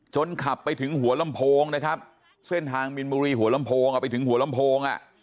ขับไปถึงหัวลำโพงนะครับเส้นทางมินบุรีหัวลำโพงอ่ะไปถึงหัวลำโพงอ่ะ